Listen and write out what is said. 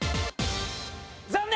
残念！